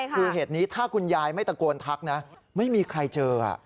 คือเหตุนี้ถ้าคุณยายไม่ตะโกนทักนะไม่มีใครเจอ